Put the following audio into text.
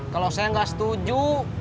kalo saya gak setuju